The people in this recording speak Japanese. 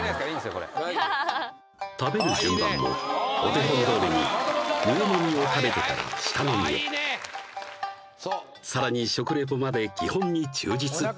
これ食べる順番もお手本どおりに上の身を食べてから下の身へさらに食レポまで基本に忠実